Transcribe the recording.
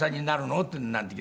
って。